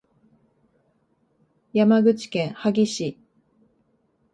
山口県萩市